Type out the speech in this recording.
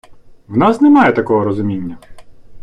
В нас немає такого розуміння.